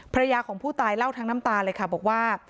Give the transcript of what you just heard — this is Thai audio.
ภรรยาของผู้ตายเล่าทั้งน้ำตาเลยค่ะบอกว่า